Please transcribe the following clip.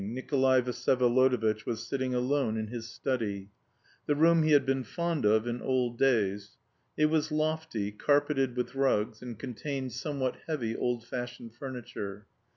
Nikolay Vsyevolodovitch was sitting alone in his study the room he had been fond of in old days. It was lofty, carpeted with rugs, and contained somewhat heavy old fashioned furniture.